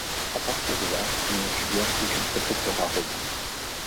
À partir de là, il ne fut guère plus qu’un protectorat romain.